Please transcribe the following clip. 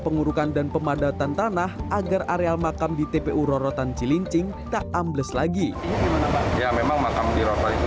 pengurukan dan pemadatan tanah agar areal makam di tpu rorotan cilincing diambilpergi dora ini